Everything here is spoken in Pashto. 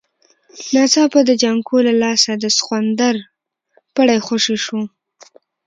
ناڅاپه د جانکو له لاسه د سخوندر پړی خوشی شو.